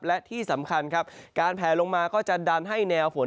และที่สำคัญครับการแผลลงมาก็จะดันให้แนวฝน